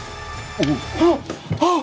あっああっ！